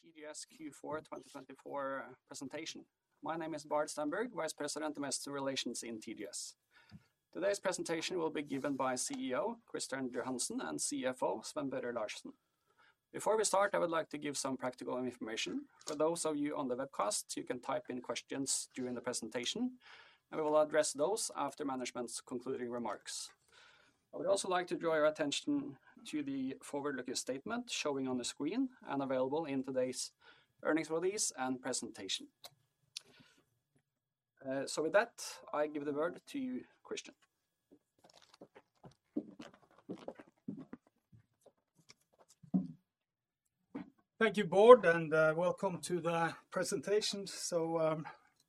to the TGS Q4 2024 presentation. My name is Bård Stenberg, Vice President of Investor Relations in TGS. Today's presentation will be given by CEO Kristian Johansen and CFO Sven Børre Larsen. Before we start, I would like to give some practical information. For those of you on the webcast, you can type in questions during the presentation, and we will address those after management's concluding remarks. I would also like to draw your attention to the forward-looking statement showing on the screen and available in today's earnings release and presentation. So with that, I give the word to you, Kristian. Thank you, Bård, and welcome to the presentation. So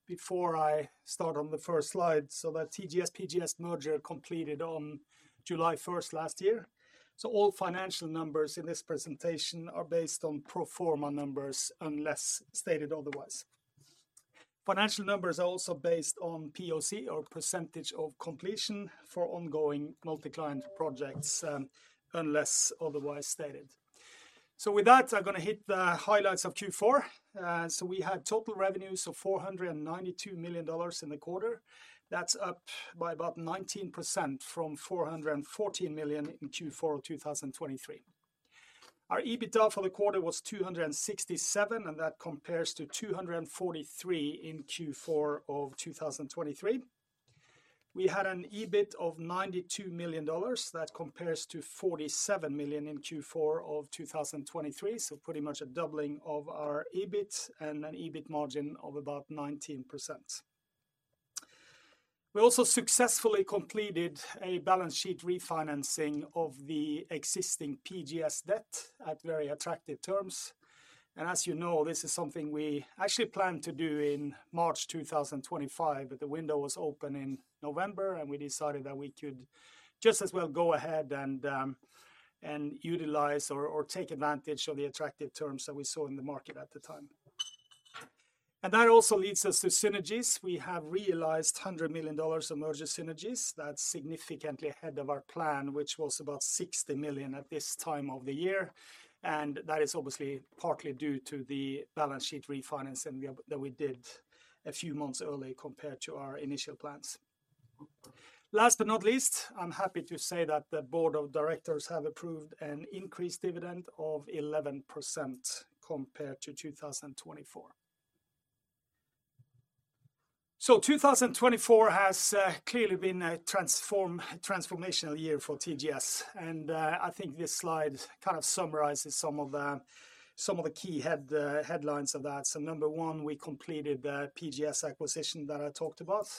before I start on the first slide, so the TGS-PGS merger completed on July 1st last year. So all financial numbers in this presentation are based on pro forma numbers unless stated otherwise. Financial numbers are also based on POC, or percentage of completion, for ongoing Multi-Client projects unless otherwise stated. So with that, I'm going to hit the highlights of Q4. So we had total revenues of $492 million in the quarter. That's up by about 19% from $414 million in Q4 of 2023. Our EBITDA for the quarter was $267, and that compares to $243 in Q4 of 2023. We had an EBIT of $92 million. That compares to $47 million in Q4 of 2023, so pretty much a doubling of our EBIT and an EBIT margin of about 19%. We also successfully completed a balance sheet refinancing of the existing PGS debt at very attractive terms. And as you know, this is something we actually planned to do in March 2025, but the window was open in November, and we decided that we could just as well go ahead and utilize or take advantage of the attractive terms that we saw in the market at the time. And that also leads us to synergies. We have realized $100 million of merger synergies. That's significantly ahead of our plan, which was about $60 million at this time of the year. And that is obviously partly due to the balance sheet refinancing that we did a few months early compared to our initial plans. Last but not least, I'm happy to say that the Board of Directors have approved an increased dividend of 11% compared to 2024. 2024 has clearly been a transformational year for TGS, and I think this slide kind of summarizes some of the key headlines of that. So number one, we completed the PGS acquisition that I talked about.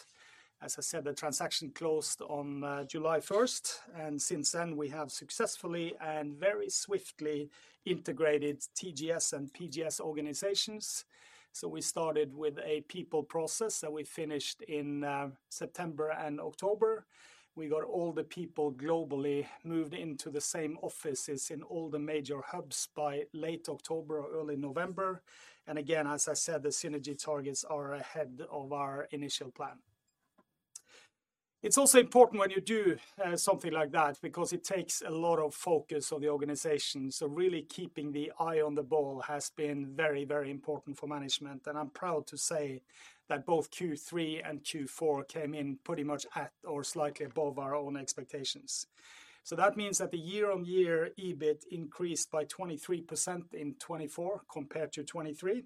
As I said, the transaction closed on July 1st, and since then, we have successfully and very swiftly integrated TGS and PGS organizations. So we started with a people process that we finished in September and October. We got all the people globally moved into the same offices in all the major hubs by late October or early November. And again, as I said, the synergy targets are ahead of our initial plan. It's also important when you do something like that because it takes a lot of focus of the organization. So really keeping the eye on the ball has been very, very important for management. I'm proud to say that both Q3 and Q4 came in pretty much at or slightly above our own expectations. So that means that the year-on-year EBIT increased by 23% in 2024 compared to 2023.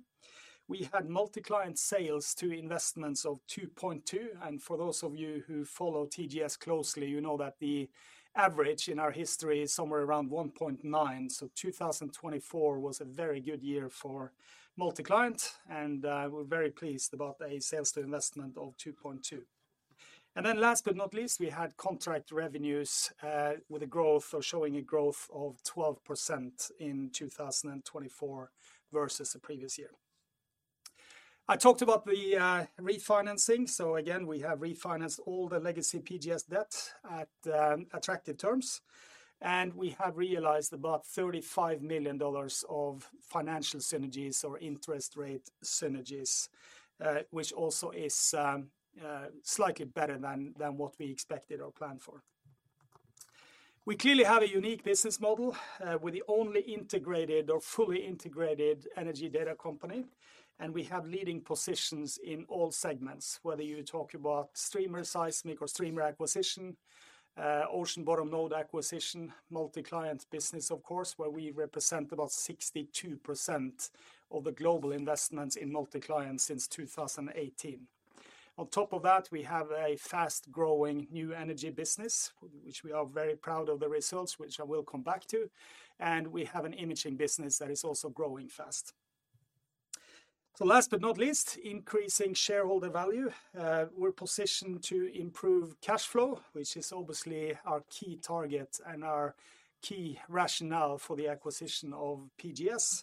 We had Multi-Client sales to investments of 2.2. And for those of you who follow TGS closely, you know that the average in our history is somewhere around 1.9. So 2024 was a very good year for Multi-Client, and we're very pleased about a sales to investment of 2.2. And then last but not least, we had contract revenues with a growth of 12% in 2024 versus the previous year. I talked about the refinancing. So again, we have refinanced all the legacy PGS debt at attractive terms, and we have realized about $35 million of financial synergies or interest rate synergies, which also is slightly better than what we expected or planned for. We clearly have a unique business model with the only integrated or fully integrated energy data company, and we have leading positions in all segments, whether you talk about streamer seismic or streamer acquisition, ocean bottom node acquisition, Multi-Client business, of course, where we represent about 62% of the global investments in Multi-Client since 2018. On top of that, we have a fast-growing new energy business, which we are very proud of the results, which I will come back to. And we have an imaging business that is also growing fast. So last but not least, increasing shareholder value. We're positioned to improve cash flow, which is obviously our key target and our key rationale for the acquisition of PGS,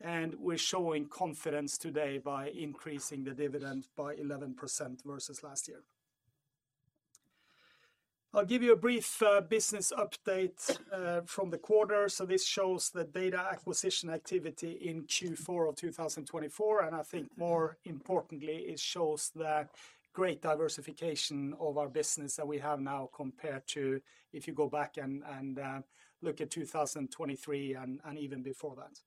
and we're showing confidence today by increasing the dividend by 11% versus last year. I'll give you a brief business update from the quarter, so this shows the data acquisition activity in Q4 of 2024. And I think more importantly, it shows the great diversification of our business that we have now compared to if you go back and look at 2023 and even before that,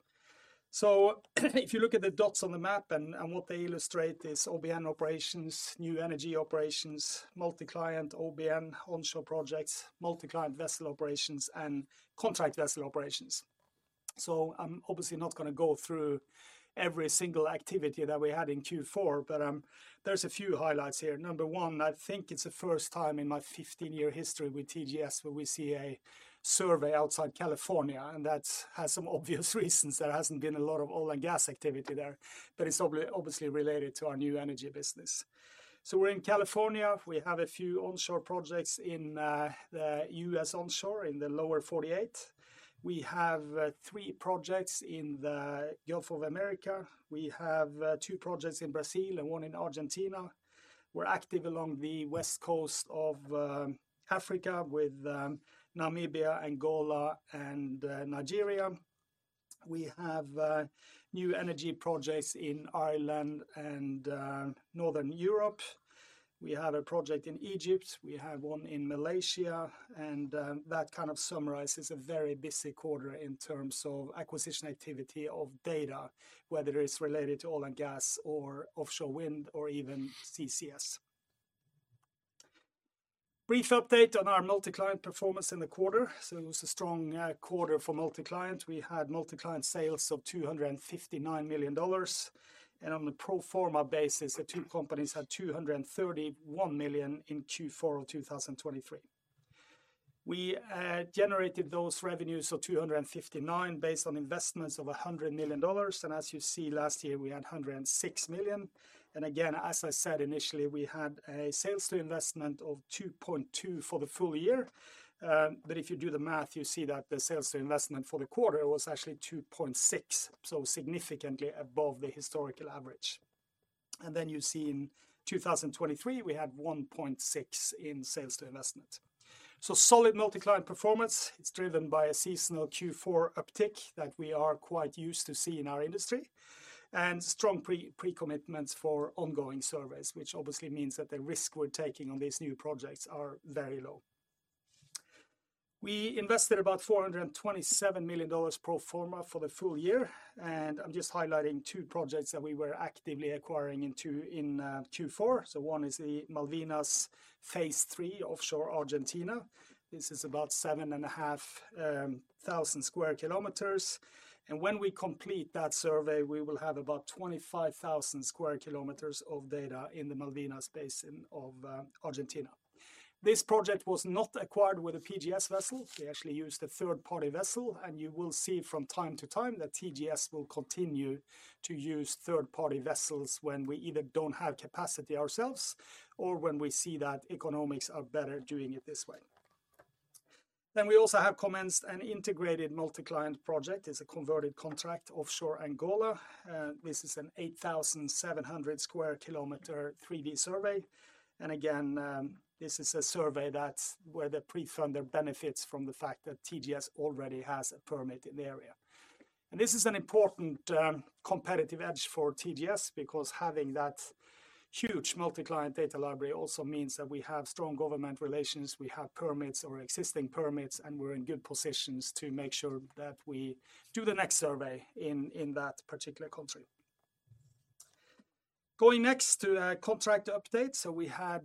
so if you look at the dots on the map and what they illustrate, it's OBN operations, new energy operations, Multi-Client OBN onshore projects, Multi-Client vessel operations, and contract vessel operations. So I'm obviously not going to go through every single activity that we had in Q4, but there's a few highlights here. Number one, I think it's the first time in my 15-year history with TGS where we see a survey outside California, and that has some obvious reasons that there hasn't been a lot of oil and gas activity there, but it's obviously related to our new energy business. So we're in California. We have a few onshore projects in the US onshore in the Lower 48. We have three projects in the Gulf of America. We have two projects in Brazil and one in Argentina. We're active along the west coast of Africa with Namibia, Angola, and Nigeria. We have new energy projects in Ireland and Northern Europe. We have a project in Egypt. We have one in Malaysia. And that kind of summarizes a very busy quarter in terms of acquisition activity of data, whether it's related to oil and gas or offshore wind or even CCS. Brief update on our Multi-Client performance in the quarter. So, it was a strong quarter for Multi-Client. We had Multi-Client sales of $259 million. And, on a pro forma basis, the two companies had $231 million in Q4 of 2023. We generated those revenues of $259 million based on investments of $100 million. And, as you see, last year we had $106 million. And again, as I said initially, we had a sales to investment of 2.2 for the full year. But, if you do the math, you see that the sales to investment for the quarter was actually 2.6, so significantly above the historical average. And then, you see in 2023, we had 1.6 in sales to investment. So, solid Multi-Client performance. It's driven by a seasonal Q4 uptick that we are quite used to seeing in our industry and strong pre-commitments for ongoing surveys, which obviously means that the risk we're taking on these new projects is very low. We invested about $427 million pro forma for the full year. And I'm just highlighting two projects that we were actively acquiring in Q4. So one is the Malvinas Phase 3 offshore Argentina. This is about 7,500 square km. And when we complete that survey, we will have about 25,000 square km of data in the Malvinas Basin of Argentina. This project was not acquired with a PGS vessel. We actually used a third-party vessel. And you will see from time to time that TGS will continue to use third-party vessels when we either don't have capacity ourselves or when we see that economics are better doing it this way. Then we also have commenced an integrated Multi-Client project. It's a converted contract offshore Angola. This is an 8,700 square km 3D survey. And again, this is a survey where the pre-funder benefits from the fact that TGS already has a permit in the area. And this is an important competitive edge for TGS because having that huge Multi-Client data library also means that we have strong government relations, we have permits or existing permits, and we're in good positions to make sure that we do the next survey in that particular country. Going next to contract updates, so we had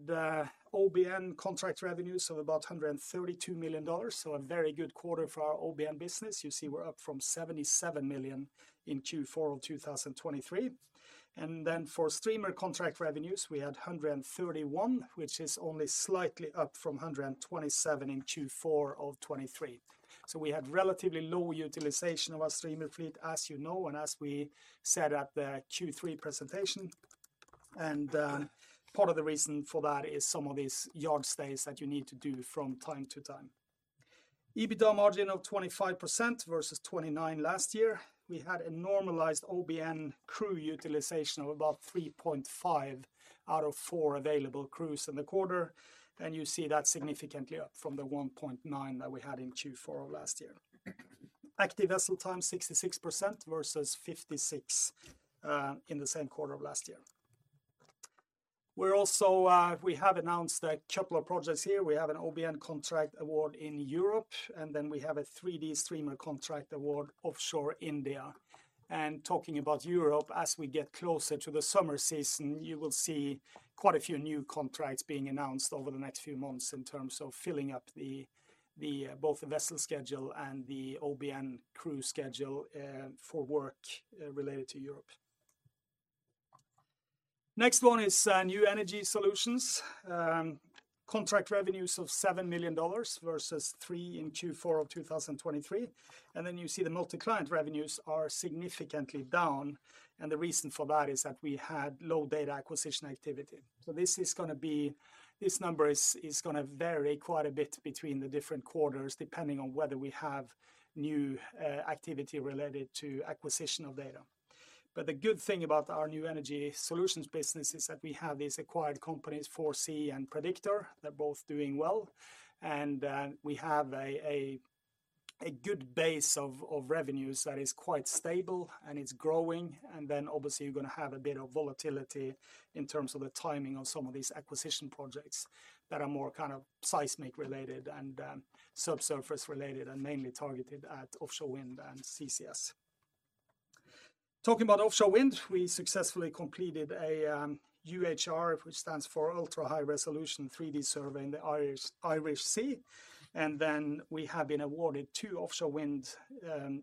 OBN contract revenues of about $132 million. So a very good quarter for our OBN business. You see we're up from $77 million in Q4 of 2023. And then for streamer contract revenues, we had $131 million, which is only slightly up from $127 million in Q4 of 2023. So we had relatively low utilization of our streamer fleet, as you know, and as we said at the Q3 presentation. And part of the reason for that is some of these yard stays that you need to do from time to time. EBITDA margin of 25% versus 29% last year. We had a normalized OBN crew utilization of about 3.5 out of four available crews in the quarter. And you see that's significantly up from the 1.9 that we had in Q4 of last year. Active vessel time 66% versus 56% in the same quarter of last year. We have announced a couple of projects here. We have an OBN contract award in Europe, and then we have a 3D streamer contract award offshore India. Talking about Europe, as we get closer to the summer season, you will see quite a few new contracts being announced over the next few months in terms of filling up both the vessel schedule and the OBN crew schedule for work related to Europe. Next one is New Energy Solutions. Contract revenues of $7 million versus $3 million in Q4 of 2023. And then you see the Multi-Client revenues are significantly down. And the reason for that is that we had low data acquisition activity. So this number is going to vary quite a bit between the different quarters depending on whether we have new activity related to acquisition of data. But the good thing about our New Energy Solutions business is that we have these acquired companies, 4C and Prediktor, that are both doing well. We have a good base of revenues that is quite stable and it's growing. Then obviously you're going to have a bit of volatility in terms of the timing of some of these acquisition projects that are more kind of seismic related and subsurface related and mainly targeted at offshore wind and CCS. Talking about offshore wind, we successfully completed a UHR, which stands for Ultra High Resolution 3D Survey in the Irish Sea. We have been awarded two offshore wind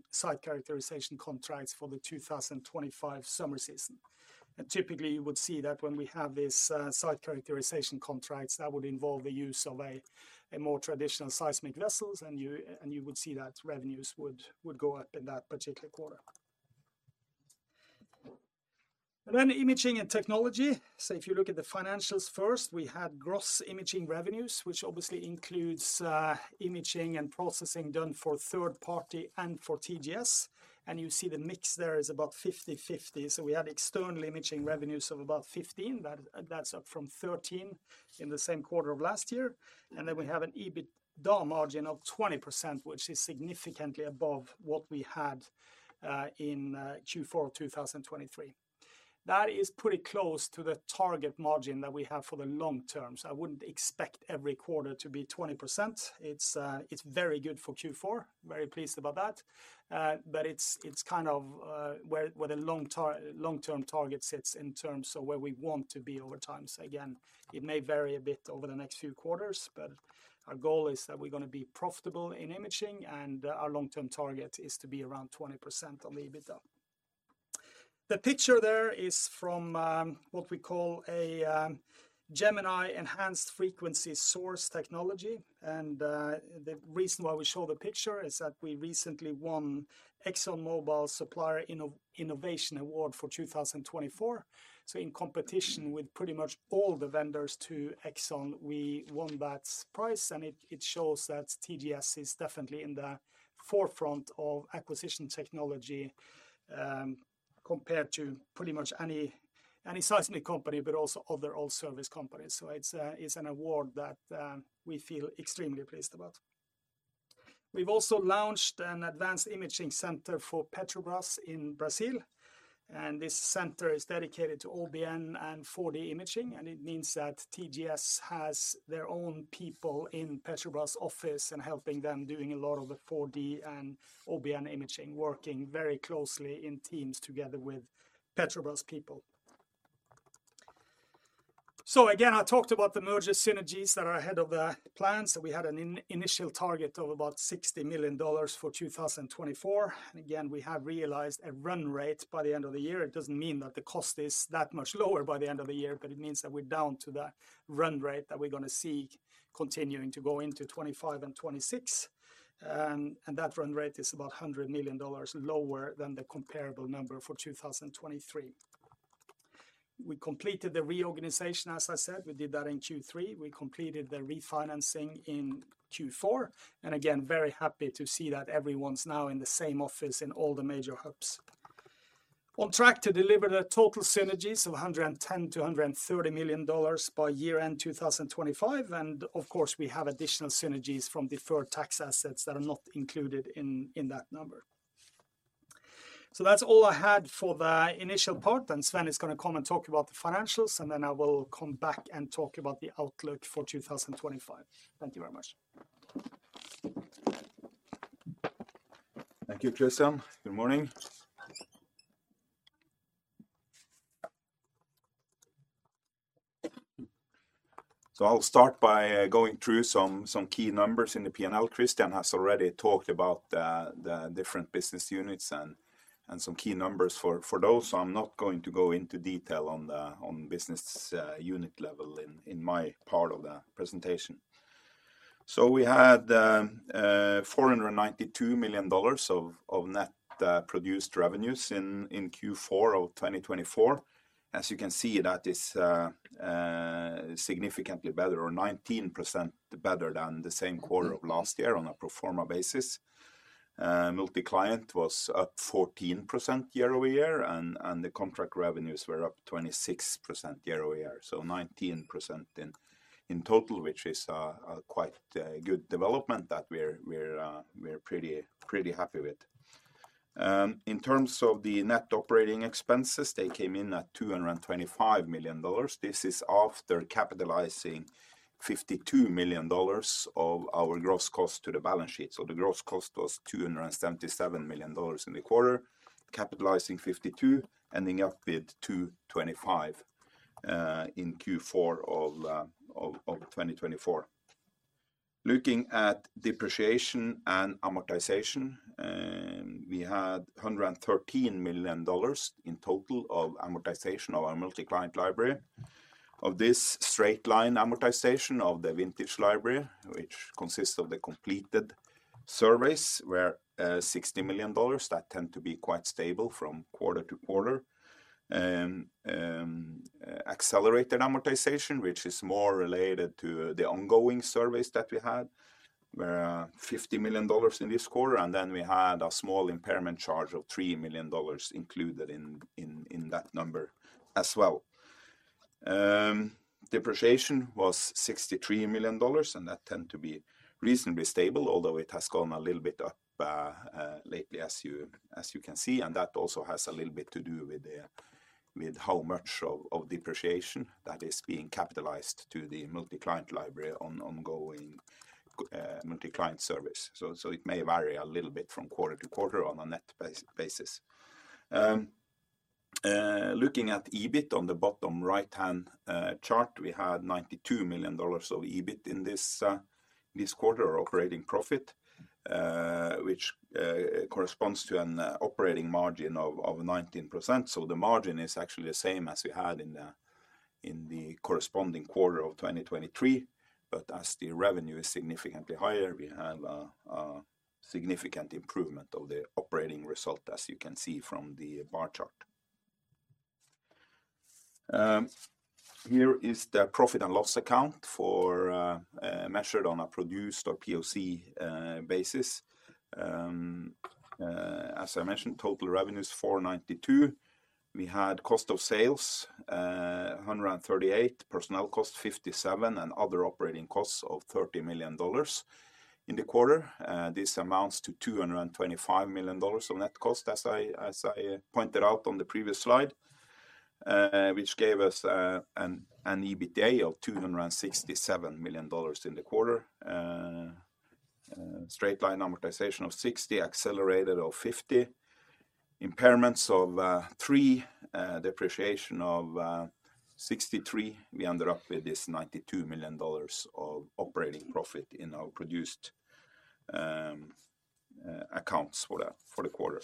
site characterization contracts for the 2025 summer season. Typically you would see that when we have these site characterization contracts, that would involve the use of a more traditional seismic vessels, and you would see that revenues would go up in that particular quarter. Then imaging and technology. If you look at the financials first, we had gross imaging revenues, which obviously includes imaging and processing done for third party and for TGS. And you see the mix there is about 50-50. So we had external imaging revenues of about $15. That's up from $13 in the same quarter of last year. And then we have an EBITDA margin of 20%, which is significantly above what we had in Q4 of 2023. That is pretty close to the target margin that we have for the long term. So I wouldn't expect every quarter to be 20%. It's very good for Q4. Very pleased about that. But it's kind of where the long-term target sits in terms of where we want to be over time. Again, it may vary a bit over the next few quarters, but our goal is that we're going to be profitable in imaging, and our long-term target is to be around 20% on the EBITDA. The picture there is from what we call a Gemini Enhanced Frequency Source technology. The reason why we show the picture is that we recently won ExxonMobil's Supplier Innovation Award for 2024. In competition with pretty much all the vendors to Exxon, we won that prize. It shows that TGS is definitely in the forefront of acquisition technology compared to pretty much any seismic company, but also other oil service companies. It's an award that we feel extremely pleased about. We've also launched an advanced imaging center for Petrobras in Brazil. This center is dedicated to OBN and 4D imaging. And it means that TGS has their own people in Petrobras office and helping them doing a lot of the 4D and OBN imaging, working very closely in teams together with Petrobras people. So again, I talked about the merger synergies that are ahead of the plans. So we had an initial target of about $60 million for 2024. And again, we have realized a run rate by the end of the year. It doesn't mean that the cost is that much lower by the end of the year, but it means that we're down to the run rate that we're going to see continuing to go into 2025 and 2026. And that run rate is about $100 million lower than the comparable number for 2023. We completed the reorganization, as I said. We did that in Q3. We completed the refinancing in Q4. And again, very happy to see that everyone's now in the same office in all the major hubs. On track to deliver the total synergies of $110 million-$130 million by year-end 2025. And of course, we have additional synergies from deferred tax assets that are not included in that number. So that's all I had for the initial part. And Sven is going to come and talk about the financials, and then I will come back and talk about the outlook for 2025. Thank you very much. Thank you, Kristian. Good morning. So I'll start by going through some key numbers in the P&L. Kristian has already talked about the different business units and some key numbers for those. So I'm not going to go into detail on business unit level in my part of the presentation. We had $492 million of net produced revenues in Q4 of 2024. As you can see, that is significantly better, or 19% better than the same quarter of last year on a pro forma basis. Multi-Client was up 14% year-over-year, and the contract revenues were up 26% year-over-year. 19% in total, which is a quite good development that we're pretty happy with. In terms of the net operating expenses, they came in at $225 million. This is after capitalizing $52 million of our gross cost to the balance sheet. The gross cost was $277 million in the quarter, capitalizing $52, ending up with $225 in Q4 of 2024. Looking at depreciation and amortization, we had $113 million in total of amortization of our Multi-Client library. Of this, straight line amortization of the vintage library, which consists of the completed surveys, were $60 million. That tends to be quite stable from quarter to quarter. Accelerated amortization, which is more related to the ongoing surveys that we had, were $50 million in this quarter. And then we had a small impairment charge of $3 million included in that number as well. Depreciation was $63 million, and that tends to be reasonably stable, although it has gone a little bit up lately, as you can see. And that also has a little bit to do with how much of depreciation that is being capitalized to the Multi-Client library on ongoing Multi-Client service. So it may vary a little bit from quarter to quarter on a net basis. Looking at EBIT on the bottom right-hand chart, we had $92 million of EBIT in this quarter or operating profit, which corresponds to an operating margin of 19%. So the margin is actually the same as we had in the corresponding quarter of 2023. But as the revenue is significantly higher, we have a significant improvement of the operating result, as you can see from the bar chart. Here is the profit and loss account measured on a pro forma or POC basis. As I mentioned, total revenues $492 million. We had cost of sales $138 million, personnel cost $57 million, and other operating costs of $30 million in the quarter. This amounts to $225 million of net cost, as I pointed out on the previous slide, which gave us an EBITDA of $267 million in the quarter. Straight-line amortization of $60 million, accelerated of $50 million. Impairments of $3 million, depreciation of $63 million. We ended up with this $92 million of operating profit in our pro forma accounts for the quarter.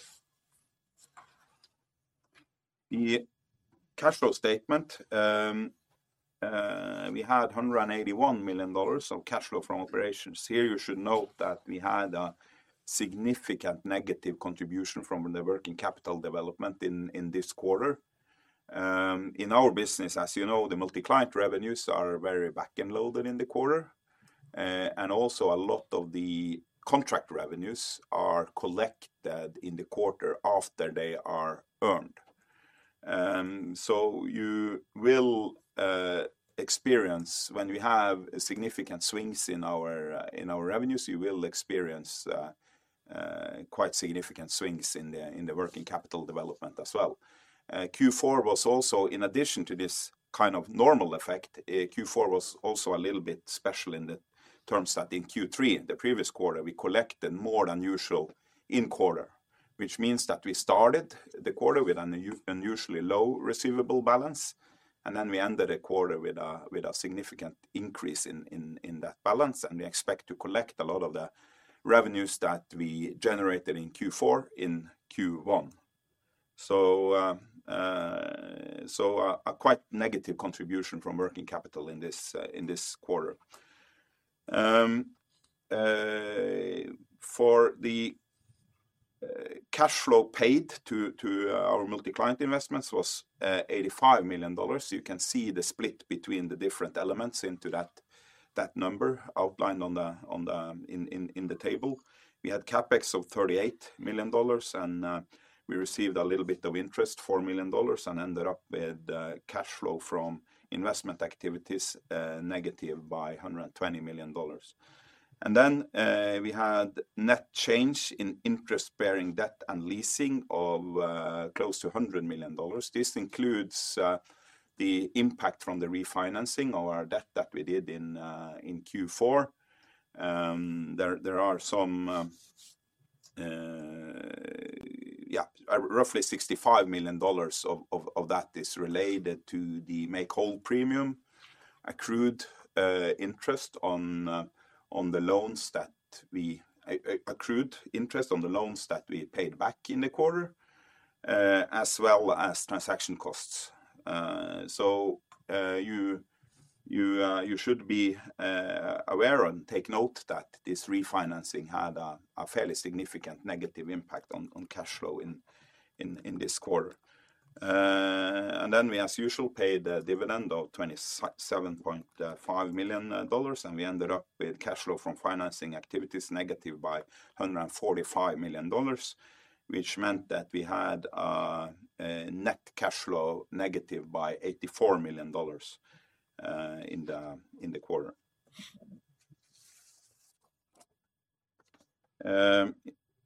The cash flow statement, we had $181 million of cash flow from operations. Here, you should note that we had a significant negative contribution from the working capital development in this quarter. In our business, as you know, the Multi-Client revenues are very back-end loaded in the quarter. And also, a lot of the contract revenues are collected in the quarter after they are earned. So you will experience, when we have significant swings in our revenues, you will experience quite significant swings in the working capital development as well. Q4 was also, in addition to this kind of normal effect, Q4 was also a little bit special in the terms that in Q3, the previous quarter, we collected more than usual in quarter, which means that we started the quarter with an unusually low receivable balance. And then we ended the quarter with a significant increase in that balance. We expect to collect a lot of the revenues that we generated in Q4 in Q1. So a quite negative contribution from working capital in this quarter. For the cash flow paid to our Multi-Client investments was $85 million. You can see the split between the different elements into that number outlined in the table. We had CapEx of $38 million, and we received a little bit of interest, $4 million, and ended up with cash flow from investment activities negative by $120 million. And then we had net change in interest-bearing debt and leasing of close to $100 million. This includes the impact from the refinancing of our debt that we did in Q4. There are some, yeah, roughly $65 million of that is related to the make-whole premium, accrued interest on the loans that we paid back in the quarter, as well as transaction costs. So you should be aware and take note that this refinancing had a fairly significant negative impact on cash flow in this quarter. Then we, as usual, paid a dividend of $27.5 million, and we ended up with cash flow from financing activities negative by $145 million, which meant that we had a net cash flow negative by $84 million in the quarter.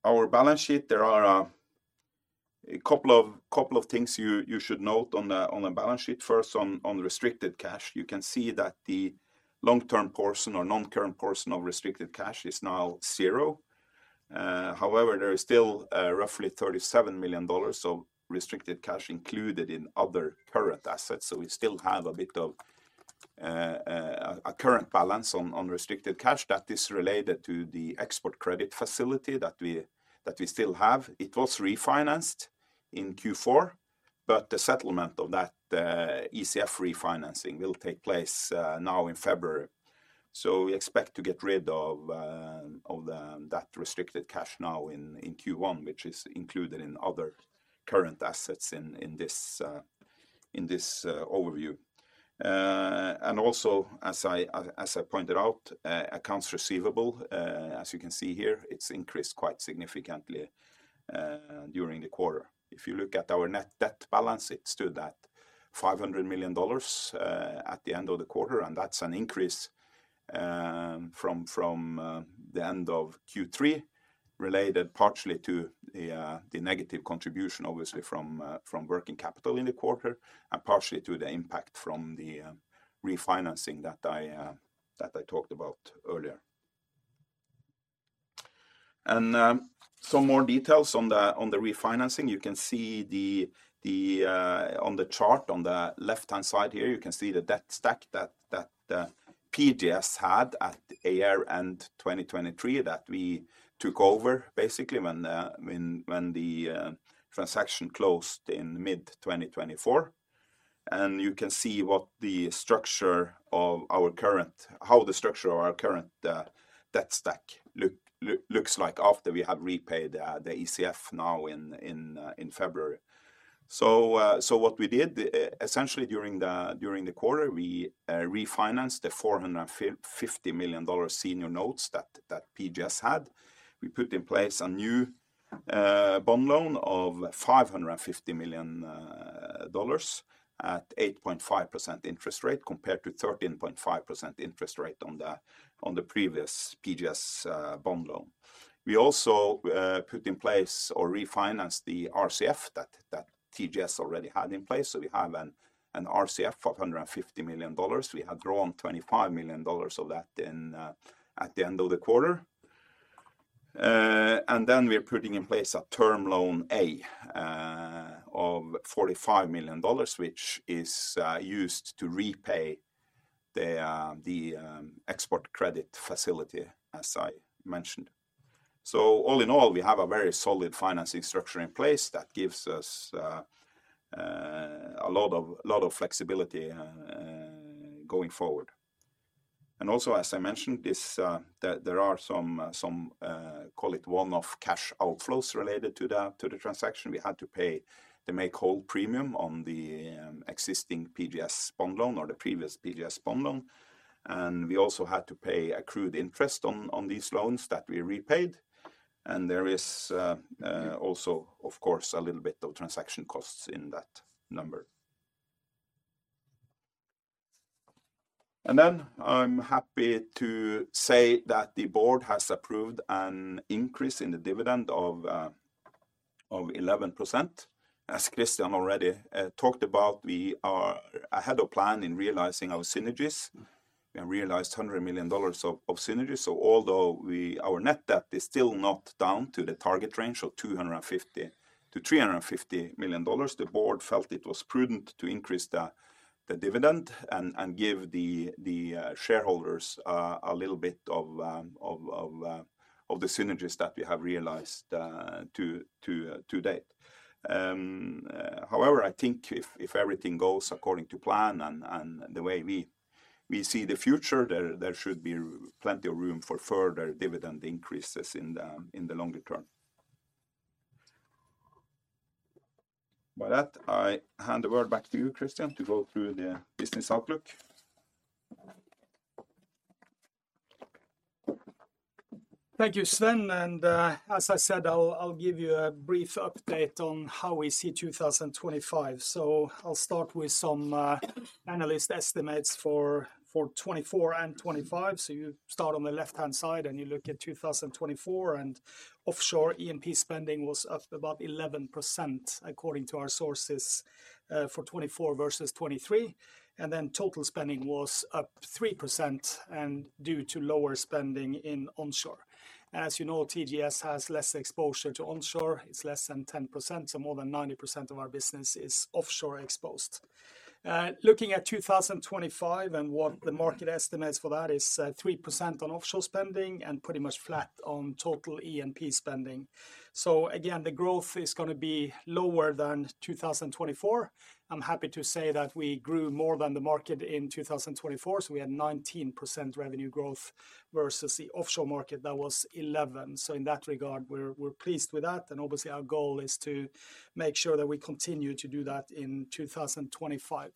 Our balance sheet, there are a couple of things you should note on the balance sheet. First, on restricted cash, you can see that the long-term portion or non-current portion of restricted cash is now zero. However, there is still roughly $37 million of restricted cash included in other current assets. So we still have a bit of a current balance on restricted cash that is related to the Export Credit Facility that we still have. It was refinanced in Q4, but the settlement of that ECF refinancing will take place now in February. So we expect to get rid of that restricted cash now in Q1, which is included in other current assets in this overview. And also, as I pointed out, accounts receivable, as you can see here, it's increased quite significantly during the quarter. If you look at our net debt balance, it stood at $500 million at the end of the quarter. That's an increase from the end of Q3 related partially to the negative contribution, obviously, from working capital in the quarter and partially to the impact from the refinancing that I talked about earlier. Some more details on the refinancing. You can see on the chart on the left-hand side here, you can see the debt stack that PGS had at year-end 2023 that we took over basically when the transaction closed in mid-2024. You can see how the structure of our current debt stack looks like after we have repaid the ECF now in February. What we did, essentially during the quarter, we refinanced the $450 million senior notes that PGS had. We put in place a new bond loan of $550 million at 8.5% interest rate compared to 13.5% interest rate on the previous PGS bond loan. We also put in place or refinanced the RCF that TGS already had in place. So we have an RCF of $150 million. We have drawn $25 million of that at the end of the quarter. And then we're putting in place a Term Loan A of $45 million, which is used to repay the Export Credit Facility, as I mentioned. So all in all, we have a very solid financing structure in place that gives us a lot of flexibility going forward. And also, as I mentioned, there are some, call it one-off cash outflows related to the transaction. We had to pay the make-whole premium on the existing PGS bond loan or the previous PGS bond loan. And we also had to pay accrued interest on these loans that we repaid. And there is also, of course, a little bit of transaction costs in that number. Then I'm happy to say that the Board has approved an increase in the dividend of 11%. As Kristian already talked about, we are ahead of plan in realizing our synergies. We have realized $100 million of synergies. So although our net debt is still not down to the target range of $250 million-$350 million, the Board felt it was prudent to increase the dividend and give the shareholders a little bit of the synergies that we have realized to date. However, I think if everything goes according to plan and the way we see the future, there should be plenty of room for further dividend increases in the longer term. With that, I hand the word back to you, Kristian, to go through the business outlook. Thank you, Sven. As I said, I'll give you a brief update on how we see 2025. I'll start with some analyst estimates for 2024 and 2025. You start on the left-hand side and you look at 2024. Offshore E&P spending was up about 11% according to our sources for 2024 versus 2023. Then total spending was up 3% due to lower spending in onshore. As you know, TGS has less exposure to onshore. It's less than 10%. More than 90% of our business is offshore exposed. Looking at 2025 and what the market estimates for that is 3% on offshore spending and pretty much flat on total E&P spending. Again, the growth is going to be lower than 2024. I'm happy to say that we grew more than the market in 2024. We had 19% revenue growth versus the offshore market that was 11%. In that regard, we're pleased with that. Obviously, our goal is to make sure that we continue to do that in 2025.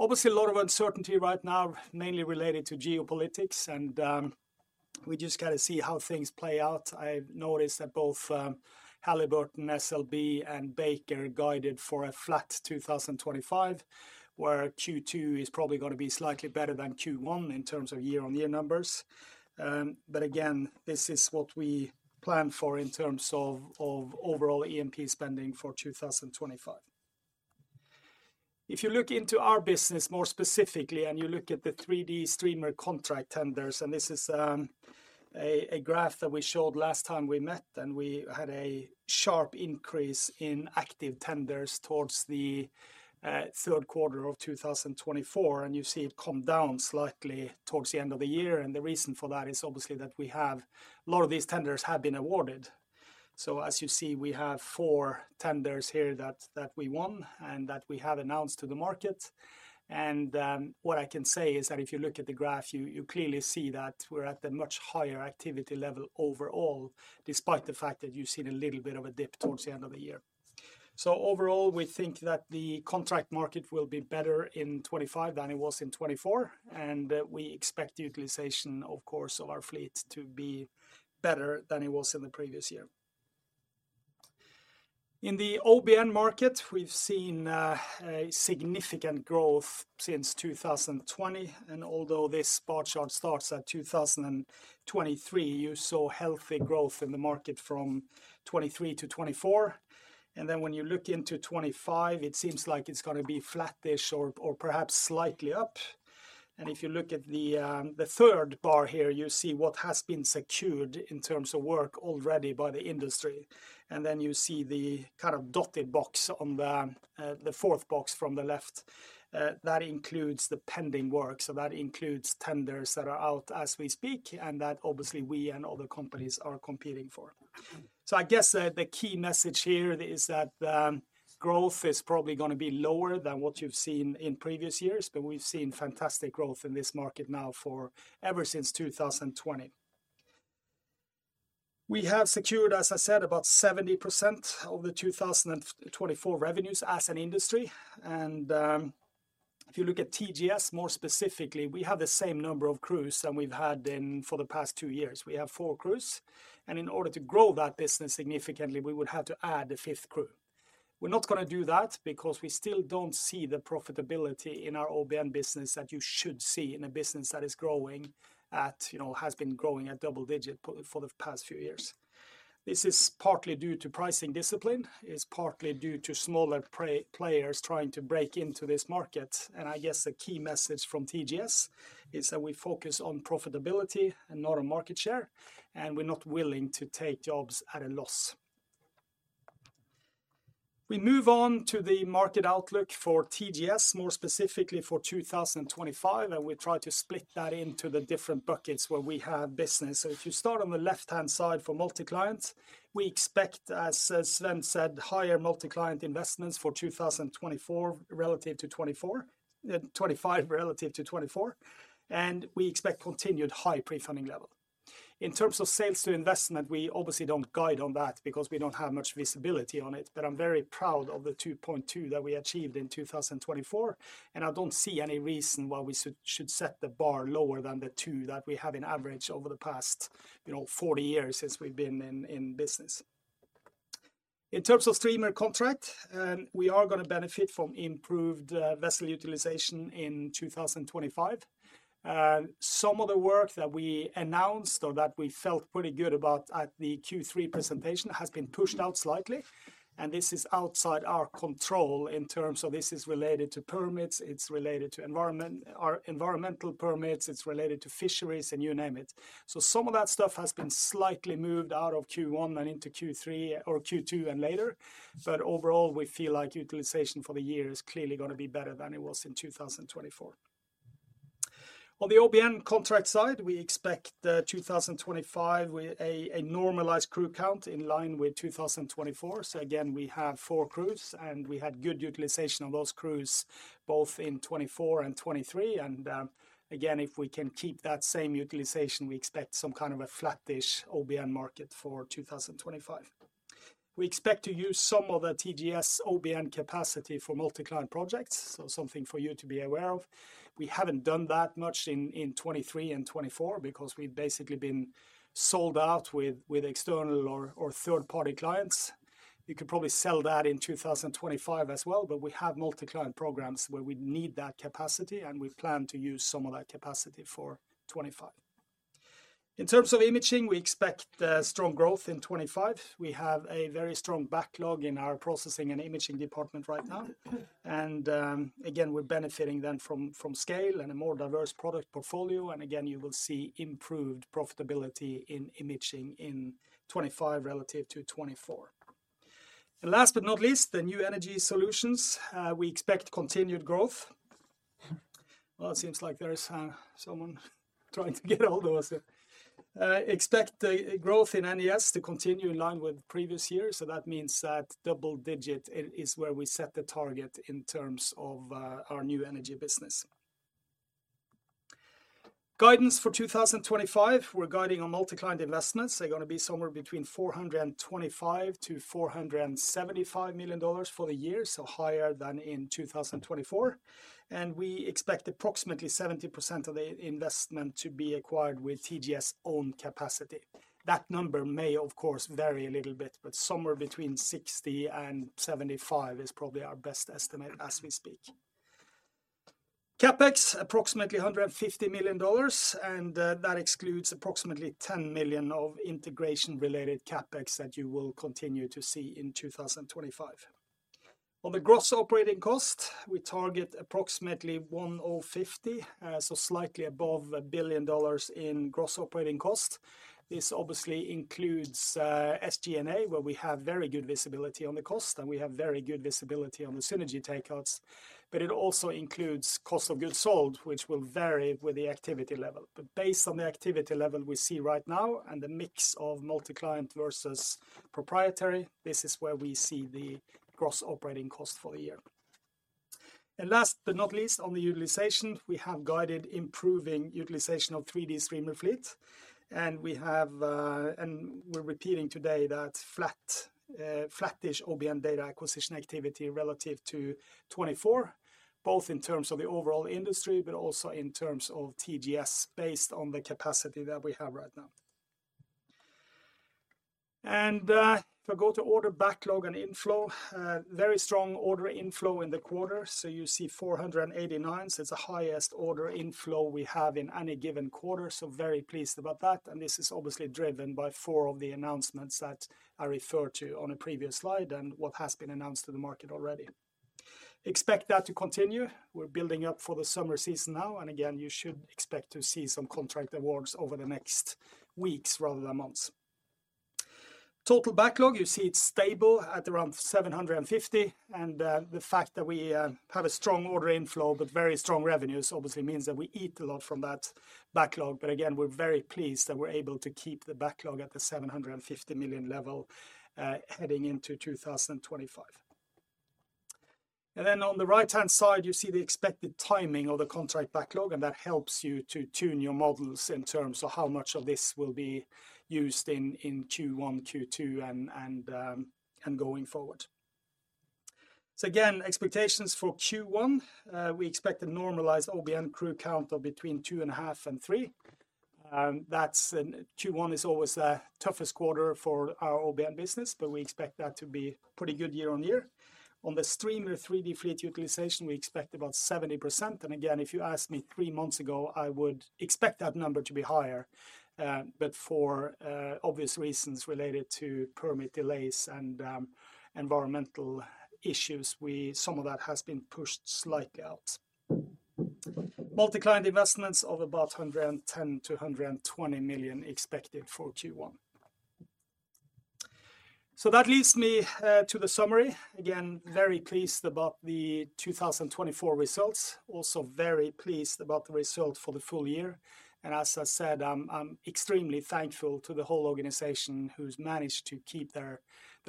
Obviously, a lot of uncertainty right now, mainly related to geopolitics. We just got to see how things play out. I noticed that both Halliburton, SLB, and Baker guided for a flat 2025, where Q2 is probably going to be slightly better than Q1 in terms of year-on-year numbers. But again, this is what we plan for in terms of overall E&P spending for 2025. If you look into our business more specifically and you look at the 3D streamer contract tenders, and this is a graph that we showed last time we met, and we had a sharp increase in active tenders towards the third quarter of 2024. You see it come down slightly towards the end of the year. The reason for that is obviously that we have a lot of these tenders have been awarded. So as you see, we have four tenders here that we won and that we have announced to the market. And what I can say is that if you look at the graph, you clearly see that we're at a much higher activity level overall, despite the fact that you've seen a little bit of a dip towards the end of the year. So overall, we think that the contract market will be better in 2025 than it was in 2024. And we expect utilization, of course, of our fleet to be better than it was in the previous year. In the OBN market, we've seen significant growth since 2020. And although this bar chart starts at 2023, you saw healthy growth in the market from 2023 to 2024. And then when you look into 2025, it seems like it's going to be flattish or perhaps slightly up. If you look at the third bar here, you see what has been secured in terms of work already by the industry. Then you see the kind of dotted box on the fourth box from the left. That includes the pending work. That includes tenders that are out as we speak and that obviously we and other companies are competing for. I guess the key message here is that growth is probably going to be lower than what you've seen in previous years, but we've seen fantastic growth in this market now, ever since 2020. We have secured, as I said, about 70% of the 2024 revenues as an industry. And if you look at TGS more specifically, we have the same number of crews than we've had for the past two years. We have four crews. And in order to grow that business significantly, we would have to add a fifth crew. We're not going to do that because we still don't see the profitability in our OBN business that you should see in a business that is growing at, has been growing at double-digit for the past few years. This is partly due to pricing discipline. It's partly due to smaller players trying to break into this market. And I guess the key message from TGS is that we focus on profitability and not on market share. And we're not willing to take jobs at a loss. We move on to the market outlook for TGS, more specifically for 2025. We try to split that into the different buckets where we have business. If you start on the left-hand side for Multi-Client, we expect, as Sven said, higher Multi-Client investments for 2024 relative to 2024, 2025 relative to 2024. We expect continued high pre-funding level. In terms of sales to investment, we obviously don't guide on that because we don't have much visibility on it. But I'm very proud of the 2.2 that we achieved in 2024. I don't see any reason why we should set the bar lower than the two that we have in average over the past 40 years since we've been in business. In terms of streamer contract, we are going to benefit from improved vessel utilization in 2025. Some of the work that we announced or that we felt pretty good about at the Q3 presentation has been pushed out slightly. This is outside our control in terms of this is related to permits. It's related to environmental permits. It's related to fisheries, and you name it. Some of that stuff has been slightly moved out of Q1 and into Q3 or Q2 and later. Overall, we feel like utilization for the year is clearly going to be better than it was in 2024. On the OBN contract side, we expect 2025 with a normalized crew count in line with 2024. Again, we have four crews and we had good utilization of those crews both in 2024 and 2023. Again, if we can keep that same utilization, we expect some kind of a flattish OBN market for 2025. We expect to use some of the TGS OBN capacity for Multi-Client projects. Something for you to be aware of. We haven't done that much in 2023 and 2024 because we've basically been sold out with external or third-party clients. We could probably sell that in 2025 as well, but we have Multi-Client programs where we need that capacity and we plan to use some of that capacity for 2025. In terms of imaging, we expect strong growth in 2025. We have a very strong backlog in our processing and imaging department right now. And again, we're benefiting then from scale and a more diverse product portfolio. And again, you will see improved profitability in imaging in 2025 relative to 2024. And last but not least, the New Energy Solutions. We expect continued growth. Well, it seems like there's someone trying to get all those. Expect the growth in NES to continue in line with previous years. That means that double digit is where we set the target in terms of our new energy business. Guidance for 2025, we're guiding on Multi-Client investments. They're going to be somewhere between $425 million-$475 million for the year, so higher than in 2024. We expect approximately 70% of the investment to be acquired with TGS-owned capacity. That number may, of course, vary a little bit, but somewhere between 60%-75% is probably our best estimate as we speak. CapEx, approximately $150 million. That excludes approximately $10 million of integration-related CapEx that you will continue to see in 2025. On the gross operating cost, we target approximately $150, so slightly above $1 billion in gross operating cost. This obviously includes SG&A, where we have very good visibility on the cost and we have very good visibility on the synergy takeouts. But it also includes cost of goods sold, which will vary with the activity level. But based on the activity level we see right now and the mix of Multi-Client versus proprietary, this is where we see the gross operating cost for the year. And last but not least, on the utilization, we have guided improving utilization of 3D streamer fleet. And we have, and we're repeating today that flattish OBN data acquisition activity relative to 2024, both in terms of the overall industry, but also in terms of TGS based on the capacity that we have right now. And if I go to order backlog and inflow, very strong order inflow in the quarter. So you see 489. So it's the highest order inflow we have in any given quarter. So very pleased about that. This is obviously driven by four of the announcements that I referred to on a previous slide and what has been announced to the market already. Expect that to continue. We're building up for the summer season now. Again, you should expect to see some contract awards over the next weeks rather than months. Total backlog, you see it's stable at around $750 million. The fact that we have a strong order inflow, but very strong revenues obviously means that we eat a lot from that backlog. Again, we're very pleased that we're able to keep the backlog at the $750 million level heading into 2025. On the right-hand side, you see the expected timing of the contract backlog. That helps you to tune your models in terms of how much of this will be used in Q1, Q2, and going forward. So again, expectations for Q1, we expect a normalized OBN crew count of between two and a half and three. That's Q1 is always the toughest quarter for our OBN business, but we expect that to be pretty good year on year. On the streamer 3D fleet utilization, we expect about 70%. And again, if you asked me three months ago, I would expect that number to be higher. But for obvious reasons related to permit delays and environmental issues, some of that has been pushed slightly out. Multi-Client investments of about $110 million-$120 million expected for Q1. So that leads me to the summary. Again, very pleased about the 2024 results. Also very pleased about the result for the full year. And as I said, I'm extremely thankful to the whole organization who's managed to keep their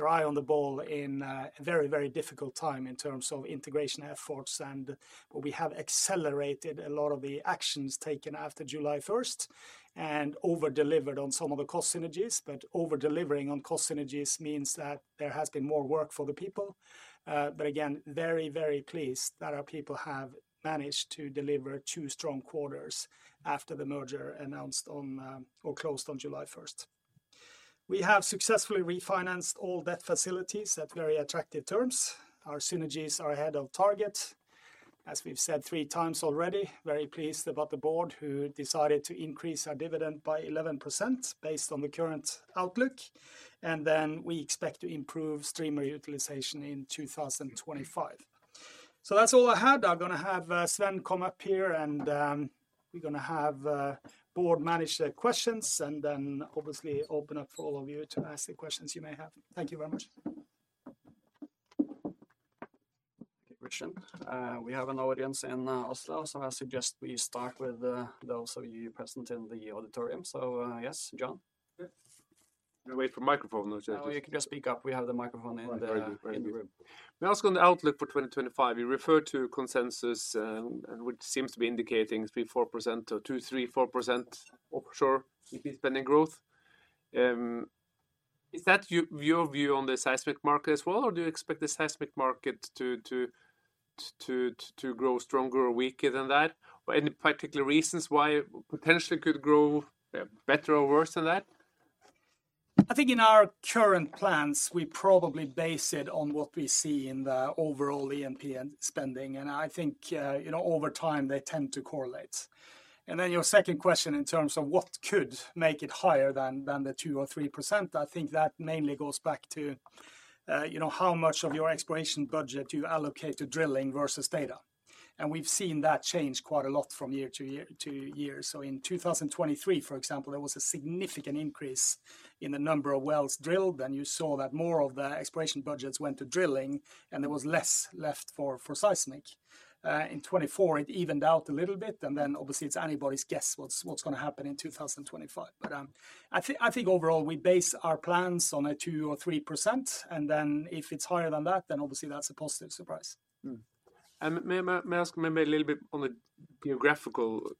eye on the ball in a very, very difficult time in terms of integration efforts. And we have accelerated a lot of the actions taken after July 1st and overdelivered on some of the cost synergies. But overdelivering on cost synergies means that there has been more work for the people. But again, very, very pleased that our people have managed to deliver two strong quarters after the merger announced on or closed on July 1st. We have successfully refinanced all debt facilities at very attractive terms. Our synergies are ahead of target. As we've said three times already, very pleased about the Board who decided to increase our dividend by 11% based on the current outlook. And then we expect to improve streamer utilization in 2025. So that's all I had. I'm going to have Sven come up here and we're going to have Board manager questions and then obviously open up for all of you to ask the questions you may have. Thank you very much. Thank you, Kristian. We have an audience in Oslo, so I suggest we start with those of you present in the auditorium. So yes, John. You're going to wait for microphone or something. You can just speak up. We have the microphone in the room. We're asking the outlook for 2025. You referred to consensus and what seems to be indicating 3-4% or 2-4% offshore E&P spending growth. Is that your view on the seismic market as well, or do you expect the seismic market to grow stronger or weaker than that? Any particular reasons why it potentially could grow better or worse than that? I think in our current plans, we probably base it on what we see in the overall ENP spending. And I think over time they tend to correlate. And then your second question in terms of what could make it higher than the 2% or 3%, I think that mainly goes back to how much of your exploration budget you allocate to drilling versus data. And we've seen that change quite a lot from year to year. So in 2023, for example, there was a significant increase in the number of wells drilled. And you saw that more of the exploration budgets went to drilling and there was less left for seismic. In 2024, it evened out a little bit. And then obviously it's anybody's guess what's going to happen in 2025. But I think overall we base our plans on a 2% or 3%. And then if it's higher than that, then obviously that's a positive surprise. May I ask maybe a little bit on the geographical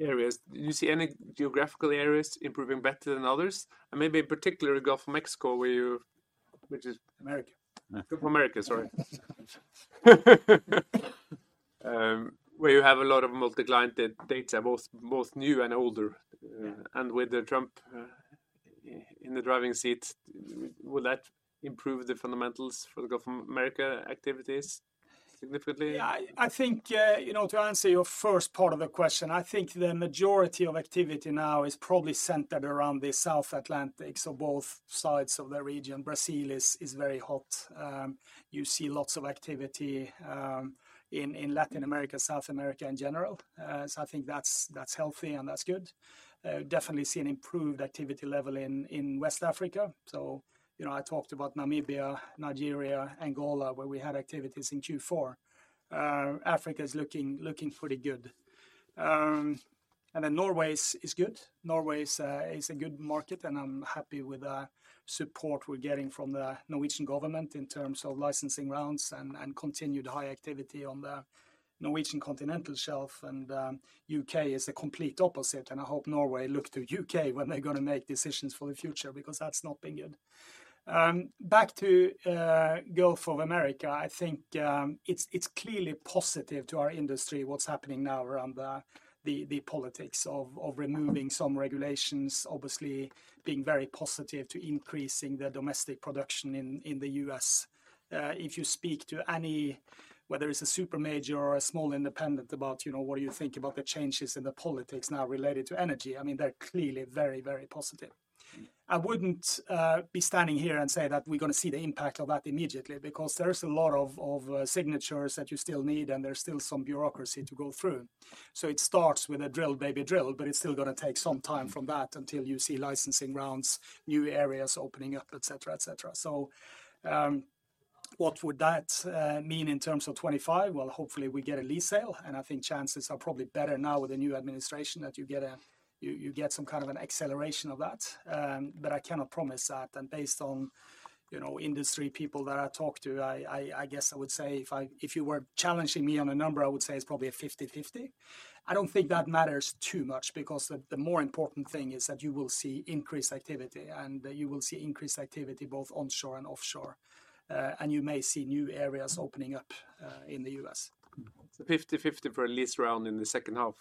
areas? Do you see any geographical areas improving better than others? And maybe in particular a Gulf of Mexico where you're which is America. Gulf of America, sorry. Where you have a lot of Multi-Client data, both new and older. And with the Trump in the driving seat, will that improve the fundamentals for the Gulf of America activities significantly? Yeah, I think to answer your first part of the question, I think the majority of activity now is probably centered around the South Atlantic. So both sides of the region, Brazil is very hot. You see lots of activity in Latin America, South America in general. So I think that's healthy and that's good. Definitely see an improved activity level in West Africa. So I talked about Namibia, Nigeria, Angola, where we had activities in Q4. Africa is looking pretty good, and then Norway is good. Norway is a good market, and I'm happy with the support we're getting from the Norwegian government in terms of licensing rounds and continued high activity on the Norwegian Continental Shelf. And the U.K. is a complete opposite, and I hope Norway look to U.K. when they're going to make decisions for the future because that's not been good. Back to Gulf of America, I think it's clearly positive to our industry what's happening now around the politics of removing some regulations, obviously being very positive to increasing the domestic production in the U.S. If you speak to any, whether it's a supermajor or a small independent, about what do you think about the changes in the politics now related to energy, I mean, they're clearly very, very positive. I wouldn't be standing here and say that we're going to see the impact of that immediately because there's a lot of signatures that you still need and there's still some bureaucracy to go through, so it starts with a drill, baby drill, but it's still going to take some time from that until you see licensing rounds, new areas opening up, et cetera, et cetera, so what would that mean in terms of 2025? Well, hopefully we get a lease sale, and I think chances are probably better now with the new administration that you get some kind of an acceleration of that. But I cannot promise that. Based on industry people that I talk to, I guess I would say if you were challenging me on a number, I would say it's probably a 50-50. I don't think that matters too much because the more important thing is that you will see increased activity and you will see increased activity both onshore and offshore. You may see new areas opening up in the U.S. It's a 50-50 for a lease round in the second half.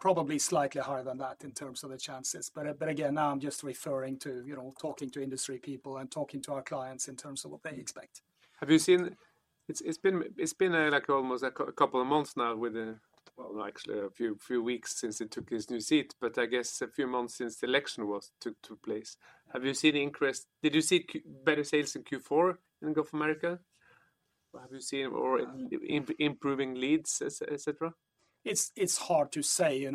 Probably slightly higher than that in terms of the chances. But again, now I'm just referring to talking to industry people and talking to our clients in terms of what they expect. Have you seen it's been like almost a couple of months now with, well, actually a few weeks since he took his new seat, but I guess a few months since the election took place. Have you seen increase? Did you see better sales in Q4 in Gulf of America? Or have you seen improving leads, et cetera? It's hard to say.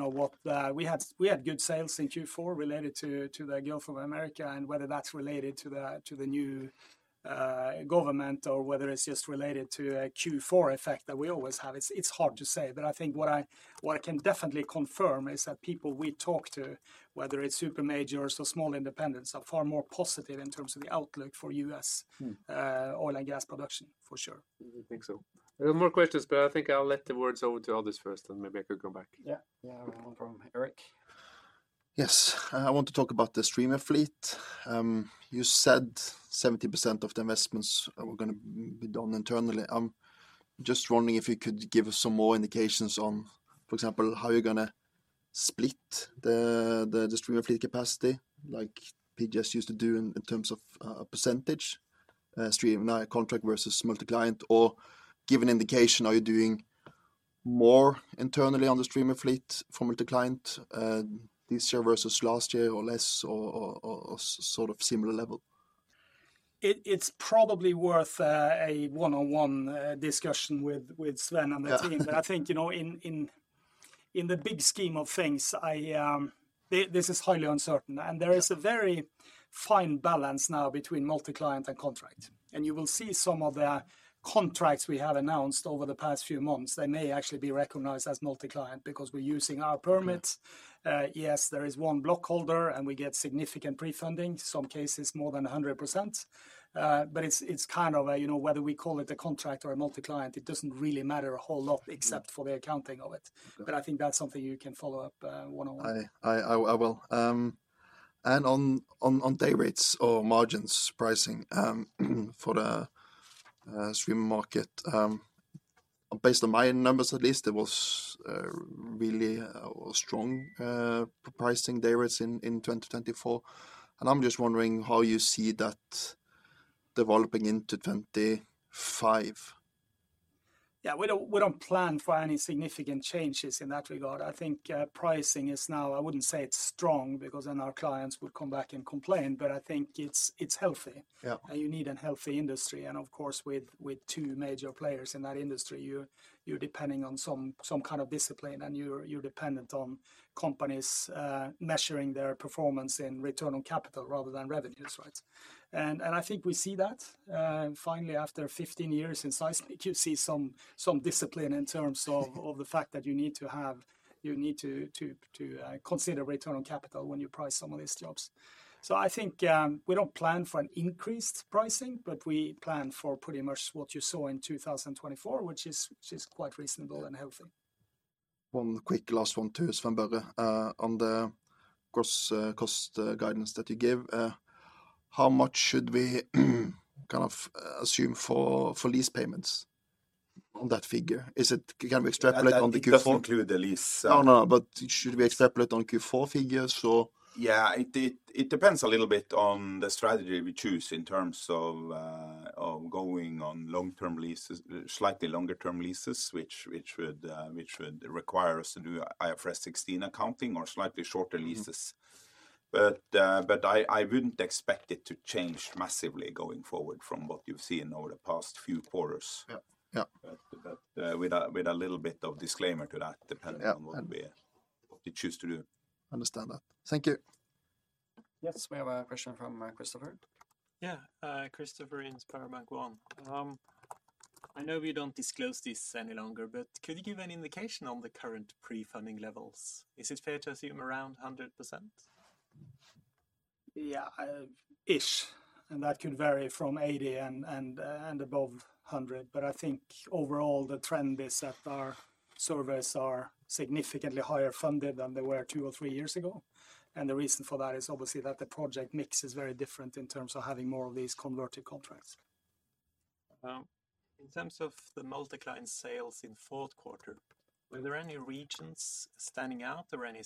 We had good sales in Q4 related to the Gulf of America and whether that's related to the new government or whether it's just related to a Q4 effect that we always have. It's hard to say. But I think what I can definitely confirm is that people we talk to, whether it's supermajors or small independents, are far more positive in terms of the outlook for U.S. oil and gas production, for sure. I think so. I have more questions, but I think I'll let the words over to others first, and maybe I could come back. Yeah, yeah, no problem. Erik. Yes, I want to talk about the streamer fleet. You said 70% of the investments were going to be done internally. I'm just wondering if you could give us some more indications on, for example, how you're going to split the streamer fleet capacity, like PGS used to do in terms of a percentage, streamer contract versus Multi-Client, or give an indication how you're doing more internally on the streamer fleet for Multi-Client, this year versus last year or less or sort of similar level? It's probably worth a one-on-one discussion with Sven and the team, but I think in the big scheme of things, this is highly uncertain, and there is a very fine balance now between Multi-Client and contract, and you will see some of the contracts we have announced over the past few months, they may actually be recognized as Multi-Client because we're using our permits. Yes, there is one block holder and we get significant pre-funding, some cases more than 100%. But it's kind of whether we call it a contract or a Multi-Client, it doesn't really matter a whole lot except for the accounting of it. But I think that's something you can follow up one-on-one. I will. And on day rates or margins pricing for the streamer market, based on my numbers at least, it was really a strong pricing day rates in 2024. And I'm just wondering how you see that developing into 2025. Yeah, we don't plan for any significant changes in that regard. I think pricing is now, I wouldn't say it's strong because then our clients would come back and complain, but I think it's healthy, and you need a healthy industry. And of course, with two major players in that industry, you're depending on some kind of discipline and you're dependent on companies measuring their performance in return on capital rather than revenues, right? And I think we see that. Finally, after 15 years in seismic, you see some discipline in terms of the fact that you need to consider return on capital when you price some of these jobs. So I think we don't plan for an increased pricing, but we plan for pretty much what you saw in 2024, which is quite reasonable and healthy. One quick last one too, Sven Børre, on the cost guidance that you gave. How much should we kind of assume for lease payments on that figure? Is it going to be extrapolate on the Q4? To include the lease. No, no, no, but should we extrapolate on Q4 figures or? Yeah, it depends a little bit on the strategy we choose in terms of going on long-term leases, slightly longer-term leases, which would require us to do IFRS 16 accounting or slightly shorter leases. But I wouldn't expect it to change massively going forward from what you've seen over the past few quarters. But with a little bit of disclaimer to that, depending on what we choose to do. Understand that. Thank you. Yes, we have a question from Christopher. Yeah, Christopher in SpareBank 1 Markets. I know we don't disclose this any longer, but could you give an indication on the current pre-funding levels? Is it fair to assume around 100%? Yeah, ish. And that could vary from 80% and above 100%. But I think overall the trend is that our surveys are significantly higher funded than they were two or three years ago. And the reason for that is obviously that the project mix is very different in terms of having more of these converted contracts. In terms of the Multi-Client sales in fourth quarter, were there any regions standing out? Are there any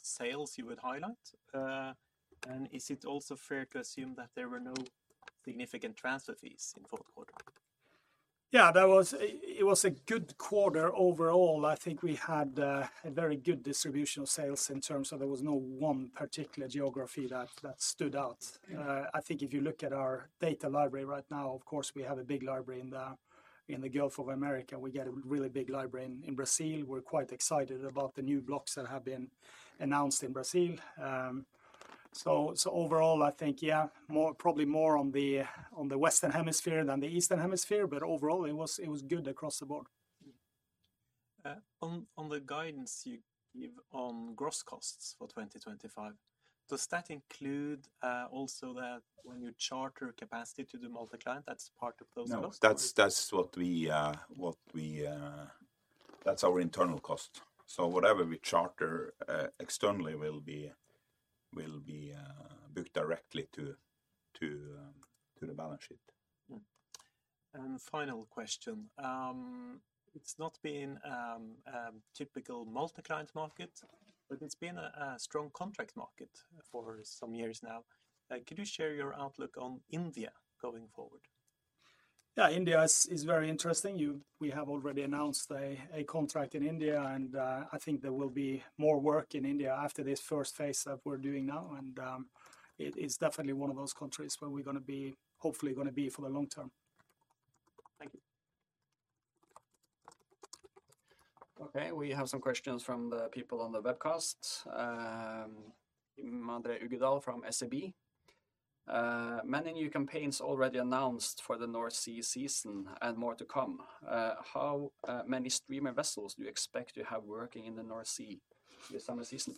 sales you would highlight? And is it also fair to assume that there were no significant transfer fees in fourth quarter? Yeah, it was a good quarter overall. I think we had a very good distribution of sales in terms of there was no one particular geography that stood out. I think if you look at our data library right now, of course, we have a big library in the Gulf of America. We get a really big library in Brazil. We're quite excited about the new blocks that have been announced in Brazil. So overall, I think, yeah, probably more on the Western Hemisphere than the Eastern Hemisphere, but overall it was good across the Board. On the guidance you give on gross costs for 2025, does that include also that when you charter capacity to do Multi-Client, that's part of those costs? That's what we – that's our internal cost. So whatever we charter externally will be booked directly to the balance sheet. And final question. It's not been a typical Multi-Client market, but it's been a strong contract market for some years now. Could you share your outlook on India going forward? Yeah, India is very interesting. We have already announced a contract in India, and I think there will be more work in India after this first phase that we're doing now. It's definitely one of those countries where we're hopefully going to be for the long term. Thank you. Okay, we have some questions from the people on the webcast. Kim André Uggedal from SEB. Many new campaigns already announced for the North Sea season and more to come. How many streamer vessels do you expect to have working in the North Sea this summer season?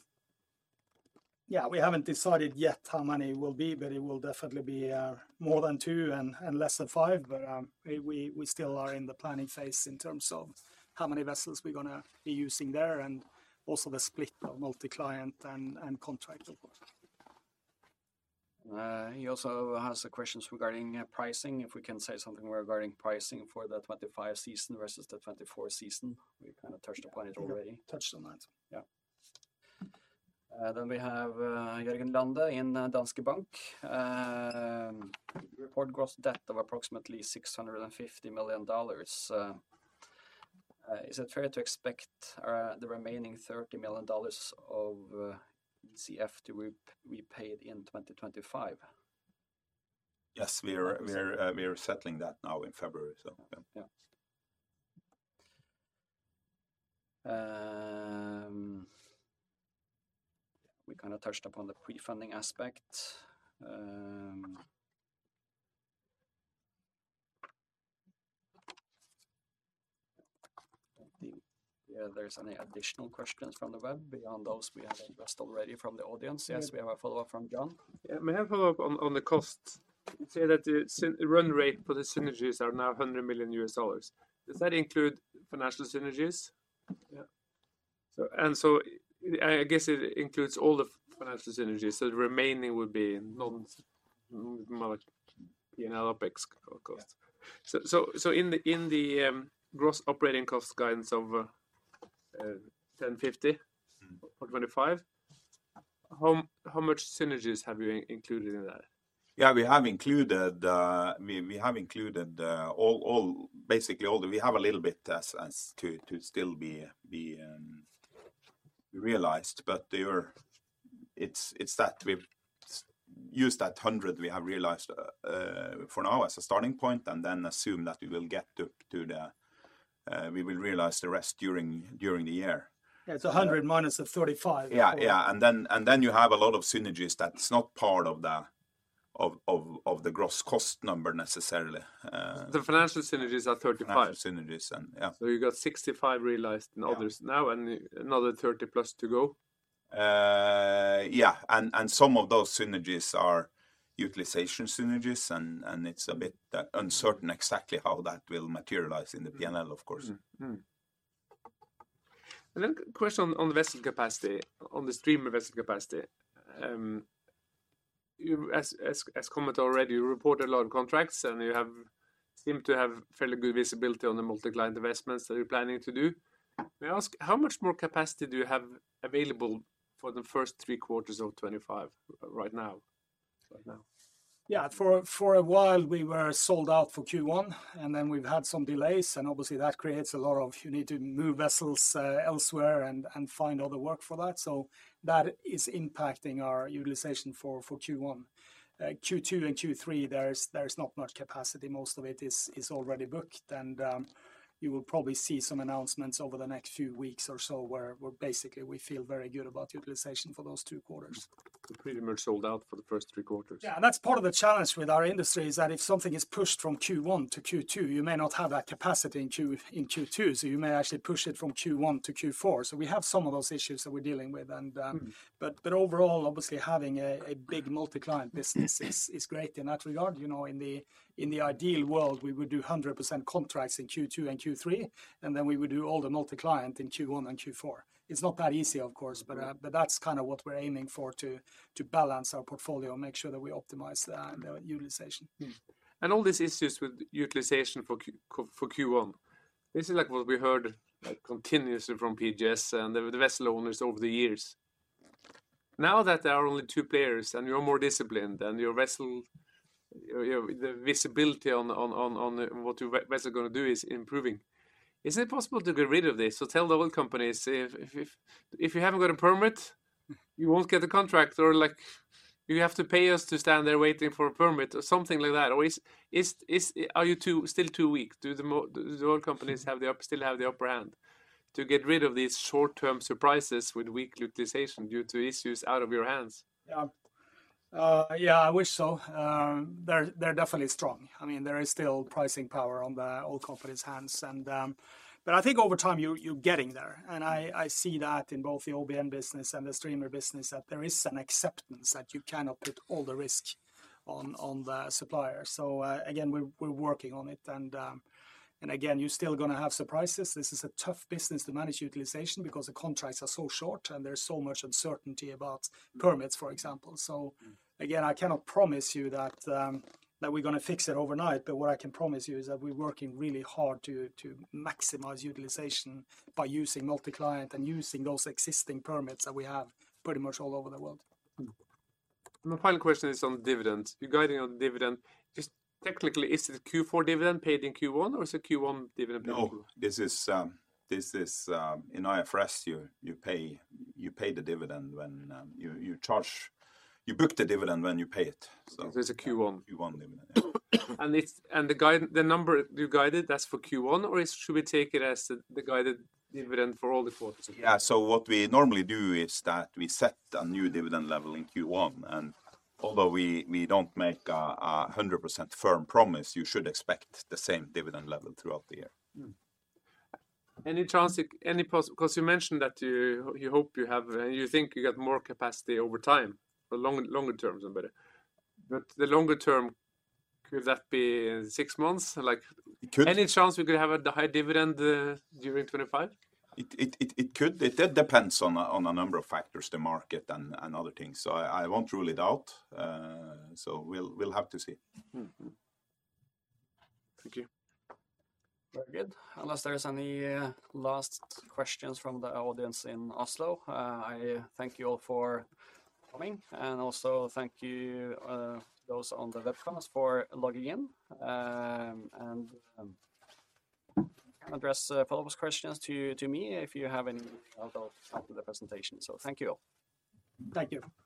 Yeah, we haven't decided yet how many will be, but it will definitely be more than two and less than five. But we still are in the planning phase in terms of how many vessels we're going to be using there and also the split of Multi-Client and contract, of course. He also has questions regarding pricing. If we can say something regarding pricing for the 2025 season versus the 2024 season, we kind of touched upon it already. Touched on that. Yeah. Then we have Jørgen Lande in Danske Bank. Report gross debt of approximately $650 million. Is it fair to expect the remaining $30 million of ECF to be paid in 2025? Yes, we are settling that now in February. We kind of touched upon the pre-funding aspect. Yeah, are there any additional questions from the web beyond those we have addressed already from the audience? Yes, we have a follow-up from John. Yeah, may I follow up on the cost? You say that the run rate for the synergies are now $100 million US dollars. Does that include financial synergies? Yeah. And so I guess it includes all the financial synergies. So the remaining would be non-P&L OpEx costs. So in the gross operating cost guidance of $1,050 for 2025, how much synergies have you included in that? Yeah, we have included all, basically all that we have a little bit to still be realized. But it's that we use that 100 we have realized for now as a starting point and then assume that we will get up to the realize the rest during the year. Yeah, it's 100 minus the 35. Yeah, yeah. And then you have a lot of synergies that's not part of the gross cost number necessarily. The financial synergies are 35. Financial synergies. So you got 65 realized and others now and another 30 plus to go. Yeah. And some of those synergies are utilization synergies and it's a bit uncertain exactly how that will materialize in the P&L, of course. A question on the vessel capacity, on the streamer vessel capacity. As commented already, you report a lot of contracts and you seem to have fairly good visibility on the Multi-Client investments that you're planning to do. May I ask how much more capacity do you have available for the first three quarters of 2025 right now? Yeah, for a while we were sold out for Q1 and then we've had some delays and obviously that creates a lot. You need to move vessels elsewhere and find other work for that. So that is impacting our utilization for Q1. Q2 and Q3, there's not much capacity. Most of it is already booked and you will probably see some announcements over the next few weeks or so where basically we feel very good about utilization for those two quarters. Pretty much sold out for the first three quarters. Yeah, that's part of the challenge with our industry is that if something is pushed from Q1 to Q2, you may not have that capacity in Q2. So you may actually push it from Q1 to Q4. So we have some of those issues that we're dealing with. But overall, obviously having a big Multi-Client business is great in that regard. In the ideal world, we would do 100% contracts in Q2 and Q3 and then we would do all the Multi-Client in Q1 and Q4. It's not that easy, of course, but that's kind of what we're aiming for to balance our portfolio and make sure that we optimize the utilization. And all these issues with utilization for Q1, this is like what we heard continuously from PGS and the vessel owners over the years. Now that there are only two players and you're more disciplined and your vessel, the visibility on what your vessel is going to do is improving. Is it possible to get rid of this? So tell the oil companies, if you haven't got a permit, you won't get a contract or you have to pay us to stand there waiting for a permit or something like that. Or are you still too weak? Do the oil companies still have the upper hand to get rid of these short-term surprises with weak utilization due to issues out of your hands? Yeah, yeah, I wish so. They're definitely strong. I mean, there is still pricing power on the oil companies' hands. But I think over time you're getting there. I see that in both the OBN business and the streamer business that there is an acceptance that you cannot put all the risk on the suppliers. Again, we're working on it. Again, you're still going to have surprises. This is a tough business to manage utilization because the contracts are so short and there's so much uncertainty about permits, for example. Again, I cannot promise you that we're going to fix it overnight, but what I can promise you is that we're working really hard to maximize utilization by using Multi-Client and using those existing permits that we have pretty much all over the world. My final question is on dividends. You're guiding on dividend. Technically, is it a Q4 dividend paid in Q1 or is it a Q1 dividend paid in Q2? No, this is in IFRS. You pay the dividend when you charge, you book the dividend when you pay it. So it's a Q1. Q1 dividend. And the number you guided, that's for Q1 or should we take it as the guided dividend for all the quarters? Yeah, so what we normally do is that we set a new dividend level in Q1. And although we don't make a 100% firm promise, you should expect the same dividend level throughout the year. Any chance, because you mentioned that you hope you have and you think you get more capacity over time, longer terms and better. But the longer term, could that be six months? Any chance we could have a high dividend during 2025? It could. It depends on a number of factors, the market and other things. So I won't rule it out. So we'll have to see. Thank you. Very good. Unless there's any last questions from the audience in Oslo, I thank you all for coming. And also thank you to those on the webcast for logging in. And address follow-up questions to me if you have anything out of the presentation. So thank you all. Thank you.